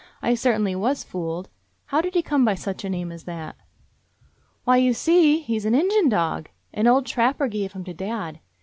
"I cer tainly was fooled. How did he come by such a name as that?" "Why, you see, he 's an Injun dog. An old trapper gave him to dad.